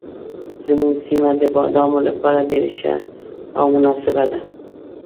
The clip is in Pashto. زموږ سیمه د بادامو لپاره ډېره ښه او مناسبه ده.